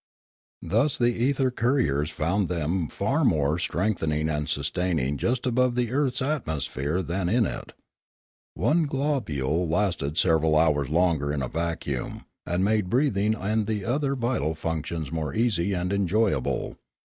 Thus the ether couriers found them far more strengthening and sustaining just above the earth's atmosphere than 328 Limanora in it. One globule lasted several hours longer in a vacuum, and made breathing and the other vital func tions more easy and enjoyable.